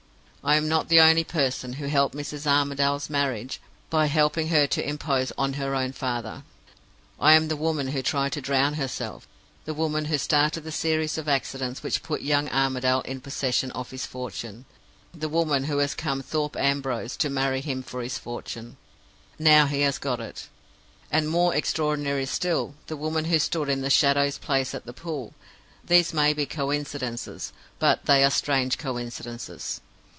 I am not only the person who helped Mrs. Armadale's marriage by helping her to impose on her own father: I am the woman who tried to drown herself; the woman who started the series of accidents which put young Armadale in possession of his fortune; the woman who has come Thorpe Ambrose to marry him for his fortune, now he has got it; and more extraordinary still, the woman who stood in the Shadow's place at the pool! These may be coincidences, but they are strange coincidences.